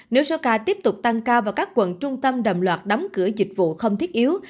nếu số ca tiếp tục tăng cao và các quận trung tâm đồng loạt đóng cửa dịch vụ không thiết yếu